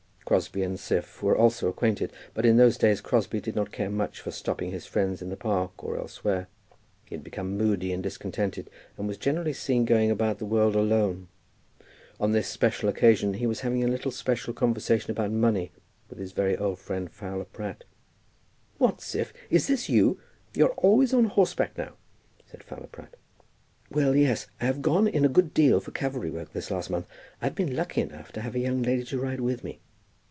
Crosbie and Siph were also acquainted, but in those days Crosbie did not care much for stopping his friends in the Park or elsewhere. He had become moody and discontented, and was generally seen going about the world alone. On this special occasion he was having a little special conversation about money with his very old friend Fowler Pratt. "What, Siph, is this you? You're always on horseback now," said Fowler Pratt. "Well, yes; I have gone in a good deal for cavalry work this last month. I've been lucky enough to have a young lady to ride with me."